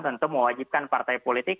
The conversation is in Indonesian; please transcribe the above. tentu mewajibkan partai politik